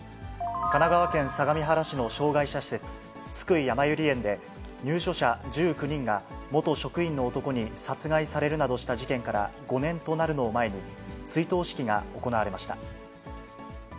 神奈川県相模原市の障がい者施設、津久井やまゆり園で、入所者１９人が元職員の男に殺害されるなどした事件から５年となるのを前に、追悼式が行われました。